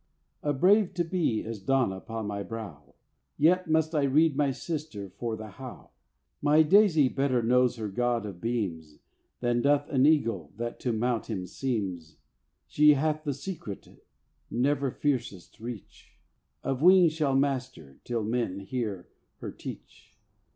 A brave To be is dawn upon my brow: Yet must I read my sister for the How. My daisy better knows her God of beams Than doth an eagle that to mount him seems. She hath the secret never fieriest reach Of wing shall master till men hear her teach.